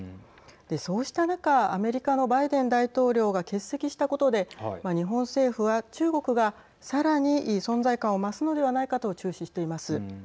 で、そうした中アメリカのバイデン大統領が欠席したことで日本政府は、中国がさらに存在感を増すのではないかと注視しています。